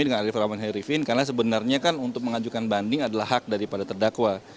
dengan arief rahman hairifin karena sebenarnya kan untuk mengajukan banding adalah hak daripada terdakwa